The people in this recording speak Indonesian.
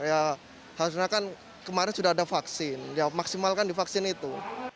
ya harusnya kan kemarin sudah ada vaksin ya maksimalkan di vaksin itu